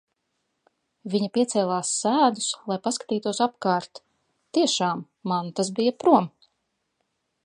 Viņa piecēlās sēdus, lai paskatītos apkārt. Tiešām, mantas bija prom.